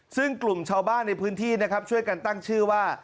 ซึ่งกลุ่มชาวบ้านในพื้นที่นะครับช่วยกันตั้งชื่อว่า